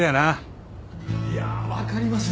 いや分かります。